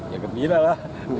ya gembira lah